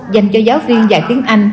dành cho giáo viên dạy tiếng anh